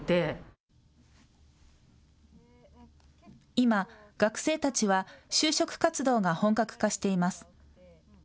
今、学生たちは就職活動が本格化しています。